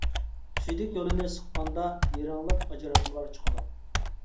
سۈيدۈك يولىنى سىققاندا يىرىڭلىق ئاجراتمىلار چىقىدۇ.